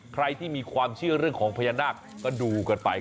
ใครที่มีความเชื่อเรื่องของพญานาคก็ดูกันไป